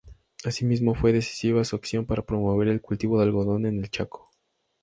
Asimismo fue decisiva su acción para promover el cultivo del algodón en el Chaco.